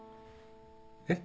えっ？